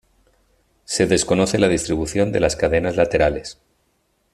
Se desconoce la distribución de las cadenas laterales.